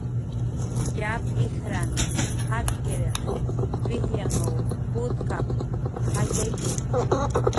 "Yap ijran jakkiriq pijyanw putkap"" jatxayki"